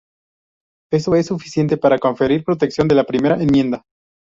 Eso es suficiente para conferir protección de la Primera Enmienda".